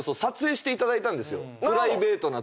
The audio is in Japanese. プライベートな所。